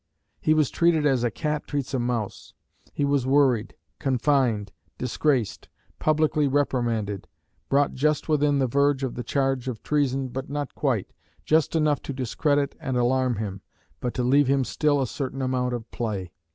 He was treated as a cat treats a mouse; he was worried, confined, disgraced, publicly reprimanded, brought just within verge of the charge of treason, but not quite, just enough to discredit and alarm him, but to leave him still a certain amount of play.